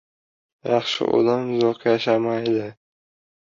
• Yaxshi odam uzoq yashamaydi.